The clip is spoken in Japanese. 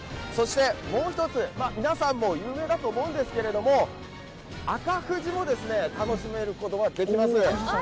もう一つ、有名だと思うんですけれども、赤富士も楽しめることができます。